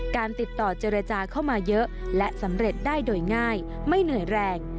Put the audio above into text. การติดต่อเจรจาเข้ามาเยอะและสำเร็จได้โดยง่ายไม่เหนื่อยแรง